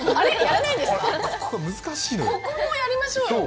ここもやりましょうよ。